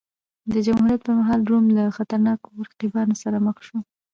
د جمهوریت پرمهال روم له خطرناکو رقیبانو سره مخ شو.